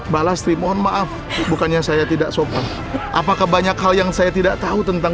balastri mohon maaf bukannya saya tidak sopan apakah banyak hal yang saya tidak tahu tentang